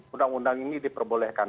undang undang ini diperbolehkan